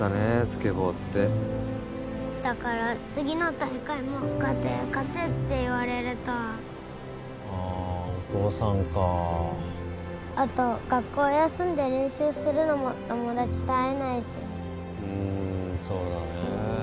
スケボーってだから次の大会も勝て勝てって言われるとああお父さんかあと学校休んで練習するのも友達と会えないしうんそうだねえ